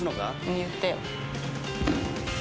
言ってよ。